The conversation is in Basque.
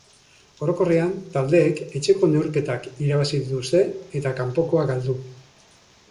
Orokorrean taldeek etxeko neurketak irabazi dituzte eta kanpokoa galdu.